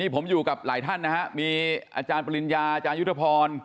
ผมอยู่กับหลายท่านนะฮะมีอาจารย์ปริญญาอาจารยุทธพร